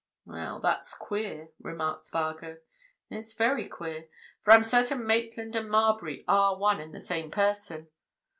"Well, that's queer," remarked Spargo. "It's very queer. For I'm certain Maitland and Marbury are one and the same person.